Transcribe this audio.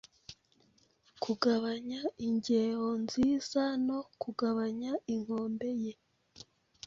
Kugabanya Ingeo nziza no kugabanya inkombe ye